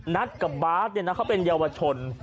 นัดกับบาร์ทเค้าเป็นเยาวชน